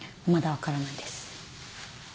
まだ分からないです。